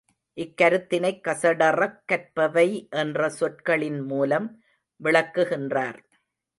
இக்கருத்தினைக் கசடறக் கற்பவை என்ற சொற்களின் மூலம் விளக்குகின்றார்.